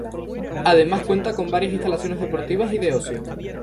Además cuenta con varias instalaciones deportivas y de ocio.